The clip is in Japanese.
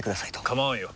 構わんよ。